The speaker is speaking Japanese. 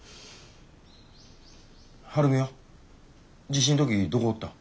晴美は地震の時どこおったん？